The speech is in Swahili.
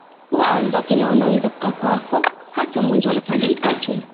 Huwa hawaondoki na wanaweza kukaa kwako hata mwezi wanatambika tu